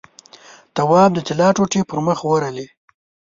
تواب د طلا ټوټې پر مخ ورغلې.